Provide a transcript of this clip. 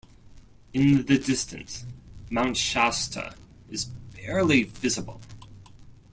In the distance, Mount Shasta is barely visible.